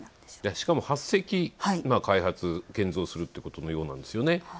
しかも８隻、今、開発、建造するということなんですよね。